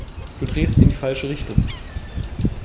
Du drehst in die falsche Richtung.